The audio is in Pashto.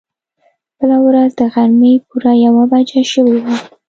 بله ورځ د غرمې پوره يوه بجه شوې وه.